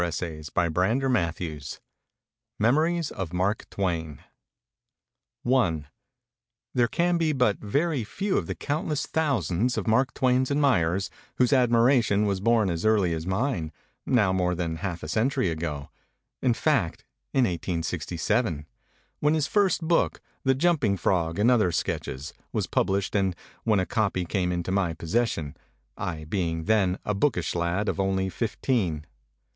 (1919.) 250 XV MEMORIES OF MARK TWAIN XV MEMORIES OF MARK TWAIN / T A HERE can be but very few of the count A less thousands of Mark Twain's admirers whose admiration was born as early as mine, now more than half a century ago, in fact in 1867, when his first book, the 'Jumping Frog and other sketches,' was published and when a copy came into my possession, I being then a bookish lad of only fifteen.